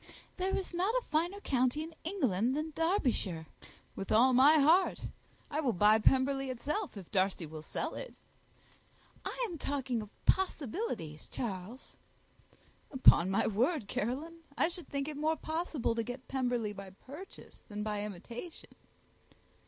There is not a finer county in England than Derbyshire." "With all my heart: I will buy Pemberley itself, if Darcy will sell it." "I am talking of possibilities, Charles." "Upon my word, Caroline, I should think it more possible to get Pemberley by purchase than by imitation."